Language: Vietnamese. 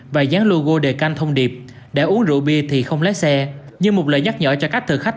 và dán logo đề canh thông điệp để uống rượu bia thì không lái xe như một lời nhắc nhở cho các thực khách